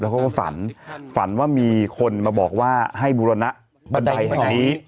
แล้วก็ฝันว่ามีคนมาบอกว่าให้บุรณะบันไดแบบนี้